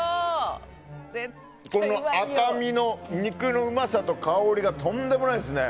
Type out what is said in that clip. この赤身の肉のうまさと香りがとんでもないですね。